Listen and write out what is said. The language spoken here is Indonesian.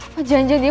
apa janjian dia